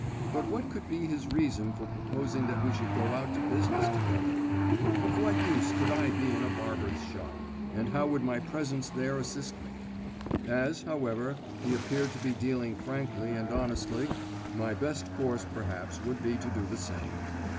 But what could be his reason for proposing that we should go out to business together? Of what use could I be in a barber's shop, and how would my presence there assist me? As, however, he appeared to be dealing frankly and honestly, my best course perhaps would be to do the same.